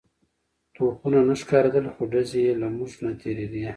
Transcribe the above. توپونه نه ښکارېدل خو ډزې يې له موږ نه تېرېدې.